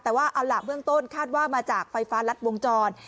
แต่ว่าเอาล่ะเบื้องต้นคาดว่ามาจากไฟฟ้ารัดวงจร